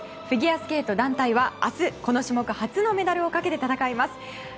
フィギュアスケート団体は明日この種目初のメダルをかけて戦います。